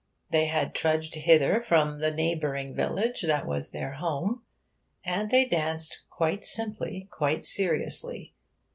They had trudged hither from the neighbouring village that was their home. And they danced quite simply, quite seriously.